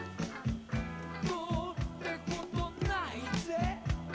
「どうって事ないぜ」